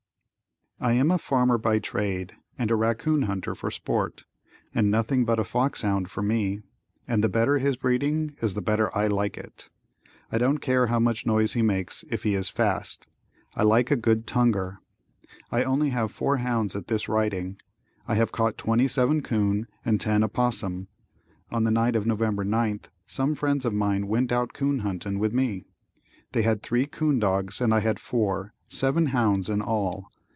I am a farmer by trade and a raccoon hunter for sport, and nothing but a fox hound for me, and the better his breeding is the better I like it. I don't care how much noise he makes if he is fast. I like a good tonguer. I only have four hounds at this writing. I have caught 27 'coon and 10 opossum. On the night of November 9th, some friends of mine went out 'coon hunting with me. They had three 'coon dogs and I had four, seven hounds in all.